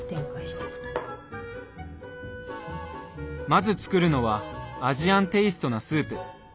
まず作るのはアジアンテイストなスープ。